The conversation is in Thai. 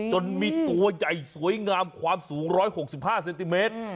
จนมีตัวใหญ่สวยงามความสูง๑๖๕เซนติเมตร